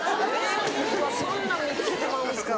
そんなん見つけてまうんですか。